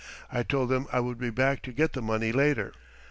I told them I would be back to get the money later.